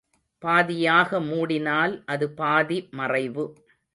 பாதியாக மூடினால் அது பாதி மறைவு.